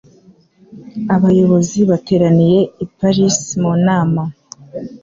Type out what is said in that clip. Abayobozi bateraniye i Paris mu nama.